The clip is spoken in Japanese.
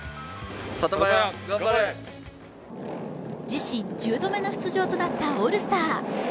自身１０度目の出場となったオールスター。